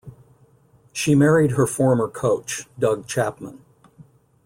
She married her former coach, Doug Chapman.